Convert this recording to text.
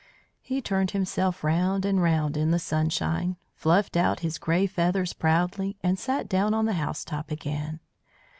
He turned himself round and round in the sunshine, fluffed out his grey feathers proudly, and sat down on the housetop again.